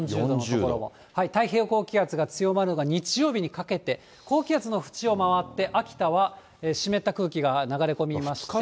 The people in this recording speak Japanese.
太平洋高気圧が強まるのが日曜日にかけて、高気圧の縁を回って、秋田は湿った空気が流れ込みまして。